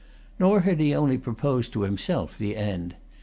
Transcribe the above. Nor had he only proposed to himself the end.